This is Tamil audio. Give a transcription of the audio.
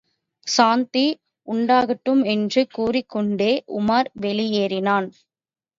சாந்தி உண்டாகட்டும் என்று கூறிக் கொண்டே உமார் வெளியேறினான்.